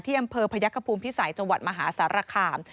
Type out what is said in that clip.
อำเภอพยักษภูมิพิสัยจังหวัดมหาสารคาม